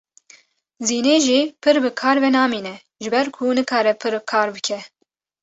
Zînê jî pir bi kar ve namîne ji ber ku nikare pir kar bike.